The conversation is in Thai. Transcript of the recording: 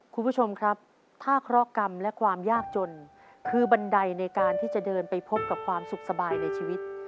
คุณผู้ชมครับถ้าเคราะหกรรมและความยากจนคือบันไดในการที่จะเดินไปพบกับความสุขสบายในชีวิต